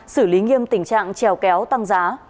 xử lý nghiêm tình trạng trèo kéo tăng giá